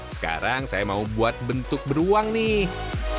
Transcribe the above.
sekarang saya mau buat bentuk beruang nih